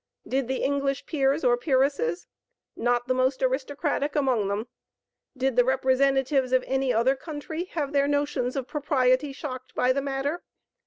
Did the English peers or peeresses? Not the most aristocratic among them. Did the representatives of any other country have their notions of propriety shocked by the matter?